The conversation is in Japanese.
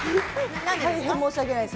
大変申し訳ないです。